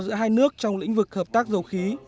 giữa hai nước trong lĩnh vực hợp tác dầu khí